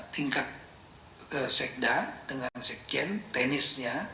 tingkat sekda dengan sekjen tenisnya